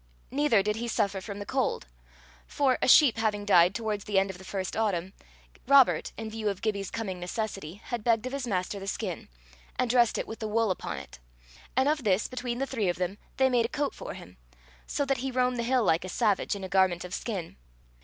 Neither did he suffer from the cold; for, a sheep having died towards the end of the first autumn, Robert, in view of Gibbie's coming necessity, had begged of his master the skin, and dressed it with the wool upon it; and of this, between the three of them, they made a coat for him; so that he roamed the hill like a savage, in a garment of skin.